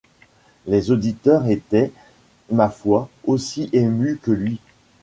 Les auditeurs étaient, ma foi, aussi émus que lui.